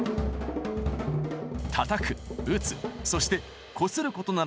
たたく打つそしてこすることなら何でも！